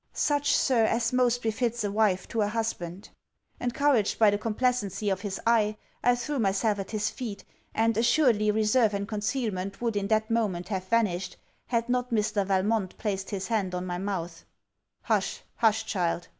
'Such, Sir, as most befits a wife to a husband.' Encouraged by the complacency of his eye, I threw myself at his feet; and assuredly reserve and concealment would in that moment have vanished, had not Mr. Valmont placed his hand on my mouth. 'Hush, hush, child!